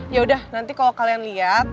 yaudah nanti kalau kalian liat